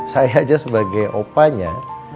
saya aja sebagai opanya